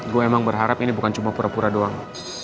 gue emang berharap ini bukan cuma pura pura doang